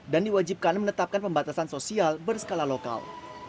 dan diwajibkan menetapkan pembatasan sosial berskala lokal